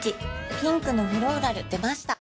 ピンクのフローラル出ました